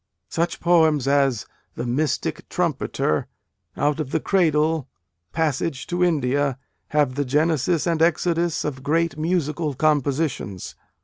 "Such poems as The Mystic Trumpeter, Out of the Cradle, Passage to India, have the genesis and exodus of great musical compositions."